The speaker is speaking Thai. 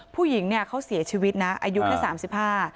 ผู้หญิงเนี่ยเขาเสียชีวิตนะอายุแค่สามสิบห้า